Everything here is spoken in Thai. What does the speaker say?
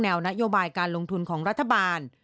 นโยบายการลงทุนของรัฐบาล